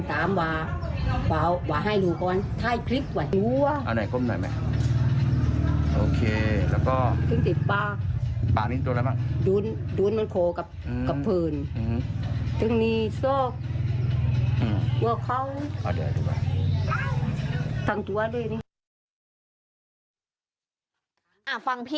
หมอ้าวว้าววาววาจะได้ผลหรือไม่ได้